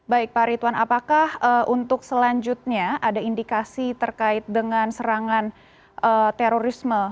baik pak ritwan apakah untuk selanjutnya ada indikasi terkait dengan serangan terorisme